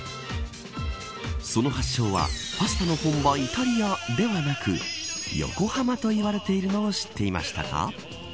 その発祥はパスタの本場イタリア、ではなく横浜といわれているのを知っていましたか。